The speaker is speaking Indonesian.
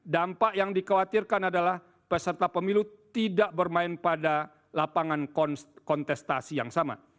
dampak yang dikhawatirkan adalah peserta pemilu tidak bermain pada lapangan kontestasi yang sama